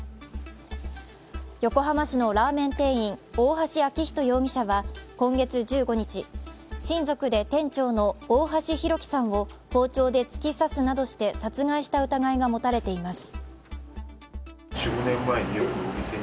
横浜市のラーメン店員、大橋昭仁容疑者は今月１５日、親族で店長の大橋弘輝さんを包丁で突き刺すなどして殺害した疑いが持たれています。